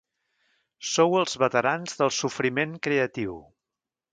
Sou els veterans del sofriment creatiu.